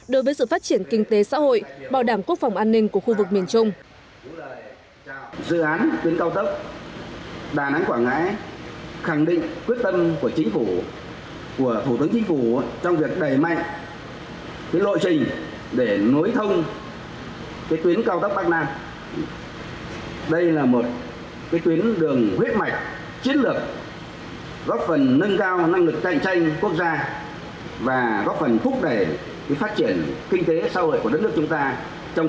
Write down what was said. đối với sự phát triển kinh tế xã hội bảo đảm quốc phòng an ninh của khu vực miền trung